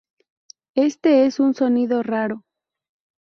Este es un sonido raro.